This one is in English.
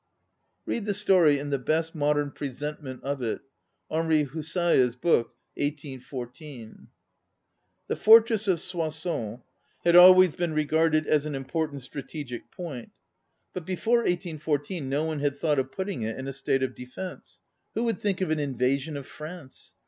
Read the story in the best modern presentment of it, ŌĆö Henri Hous saye's book, '' 1814." The fortress of Soissons had al 47 ON READING ways been regarded as an important strategic point. But before 1814 no one had thought of putting it in a state of defence. Who would think of an invasion of France!